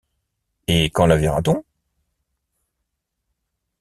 Et quand la verra-t-on ?